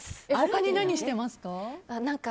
他に何してますか？